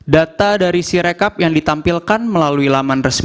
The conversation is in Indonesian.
data dari sirekap yang ditampilkan melalui laman resmi